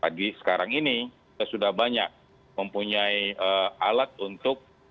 pagi sekarang ini sudah banyak mempunyai alat untuk